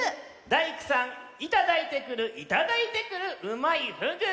「大工さん板抱いてくるいただいてくるうまいふぐ」！